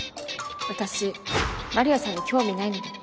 私丸谷さんに興味ないので。